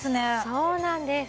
そうなんです。